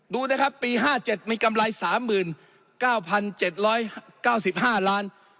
ดูนะครับปี๕๗มีกำไร๓๙๗๙๕ล้าน